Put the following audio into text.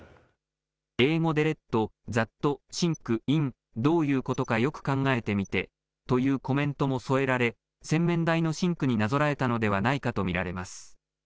英語でｌｅｔｔｈａｔｓｉｎｋｉｎ、どういうことかよく考えてみてというコメントも添えられ、洗面台のシンクになぞらえたのではないかと見られます。